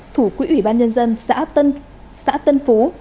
thủ quỹ ubnd xã tân phú